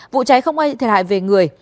vụ cháy không ai thiệt hại về người